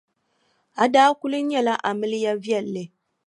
A daa kuli nyɛla amiliya viɛlli.